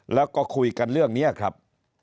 แล้วก็คุยกันเรื่องนี้ครับ